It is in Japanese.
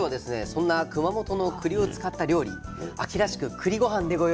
そんな熊本のくりを使った料理秋らしく「くりごはん」でご用意いたしましたので。